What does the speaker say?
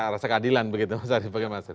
rasa keadilan begitu mas arief